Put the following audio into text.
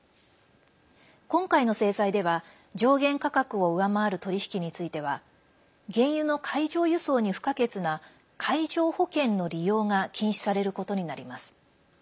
今回の制裁では、上限価格を上回る取り引きについては原油の海上輸送に不可欠な海上保険の利用が禁止されることになります。